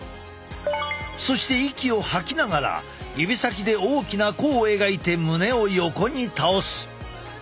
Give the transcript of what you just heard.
そして息を吐きながら指先で大きな弧を描いて胸を横に倒す。